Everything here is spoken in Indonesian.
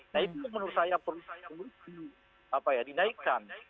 nah itu yang menurut saya perlu dinaikkan